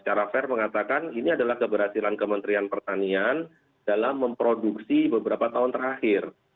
secara fair mengatakan ini adalah keberhasilan kementerian pertanian dalam memproduksi beberapa tahun terakhir